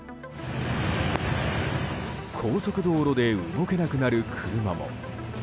高速道路で動けなくなる車も。